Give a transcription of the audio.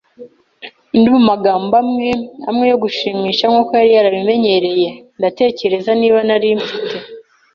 undi mumagambo amwe amwe yo gushimisha nkuko yari yarabimenyereye. Ndatekereza, niba narinfite